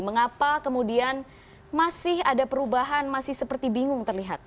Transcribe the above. mengapa kemudian masih ada perubahan masih seperti bingung terlihat